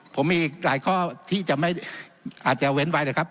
ผมมีหลายข้อที่อาจจะเอาเว้นไว้เลยครับ